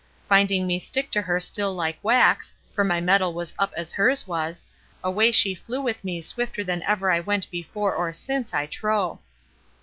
Finding me stick to her still like wax, for my mettle was up as hers was, away she flew with me swifter than ever I went before or since, I trow.